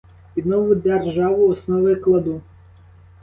Під нову державу основи кладу.